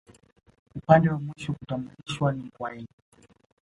Upande wa mwisho kutambulishwa ni Ngwâeli